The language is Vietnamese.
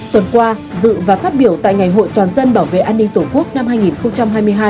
tuần qua dự và phát biểu tại ngày hội toàn dân bảo vệ an ninh tổ quốc năm hai nghìn hai mươi hai